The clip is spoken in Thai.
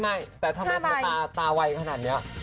ไม่แต่ทำไมจะตาไวขนาดนี้